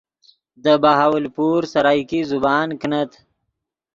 دے بہاولپور سرائیکی زبان کینت